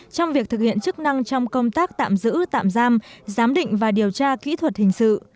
trong việc thực hiện chức năng trong công tác tạm giữ tạm giam giám định và điều tra kỹ thuật hình sự